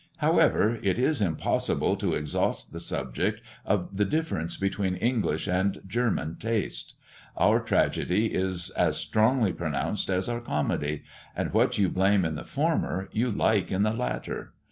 However, it is impossible to exhaust the subject of the difference between English and German taste. Our tragedy is as strongly pronounced as our comedy, and what you blame in the former, you like in the latter.